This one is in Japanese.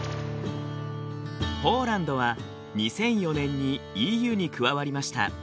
ポーランドは２００４年にＥＵに加わりました。